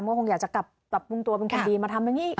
ก็คงอยากจะกลับปรับปรุงตัวเป็นคนดีมาทำอย่างนี้